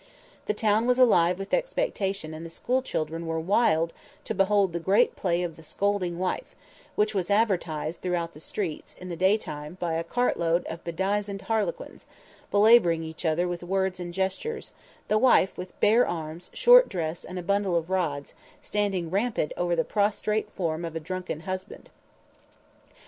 The town was alive with expectation and the school children were wild to behold the great play of "The Scolding Wife," which was advertised through the streets, in the daytime, by a cartload of bedizened harlequins, belaboring each other with words and gestures, the wife with bare arms, short dress and a bundle of rods, standing rampant over the prostrate form of a drunken husband.